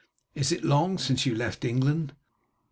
Is it long since you left England?"